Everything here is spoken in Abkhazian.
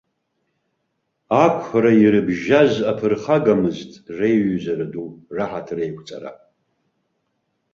Ақәра ирыбжьаз аԥырхагамызт реиҩызара ду, раҳаҭыр еиқәҵара.